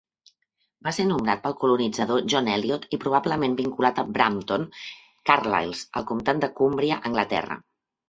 Va ser nombrat pel colonitzador John Eliot i probablement vinculat a Brampton, Carlisle, al comptat de Cumbria a Anglaterra.